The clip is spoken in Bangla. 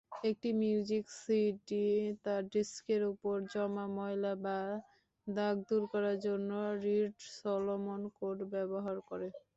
একটি মিউজিক সিডি তার ডিস্কের উপর জমা ময়লা ও দাগ দূর করার জন্য রীড-সলোমন কোড ব্যবহার করে।